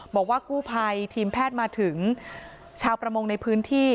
บอกว่ากู้ภัยทีมแพทย์มาถึงชาวประมงในพื้นที่